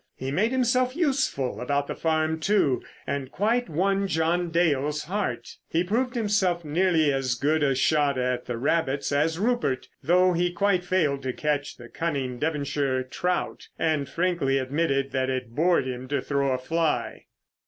He made himself useful about the farm, too, and quite won John Dale's heart. He proved himself nearly as good a shot at the rabbits as Rupert, though he quite failed to catch the cunning Devonshire trout, and frankly admitted that it bored him to throw a fly.